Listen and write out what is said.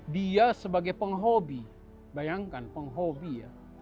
dia sebagai penghobi bayangkan penghobi ya